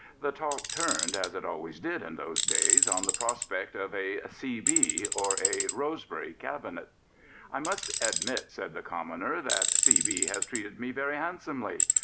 The talk turned, as it always did in those days, on the prospects of a '' C. B.'* or a Rosebery Cabinet. I must admit, said the Commoner, " that C. B. has treated me very handsomely.